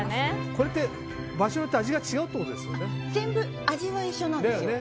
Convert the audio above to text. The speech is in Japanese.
これって場所によって味が違うってことですよね。